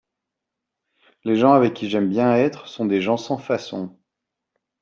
Les gens avec qui j'aime bien être sont des gens sans façons.